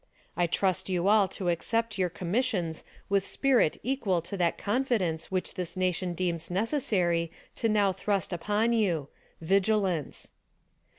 I trust you all to accept your com missions with spirit equal to that confidence which this nation deems necessarj to now thrust upon you — vigilance.